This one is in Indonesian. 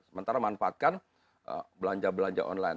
sementara manfaatkan belanja belanja online